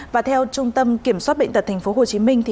và theo trung tâm kiểm soát bệnh tật thành phố hồ chí minh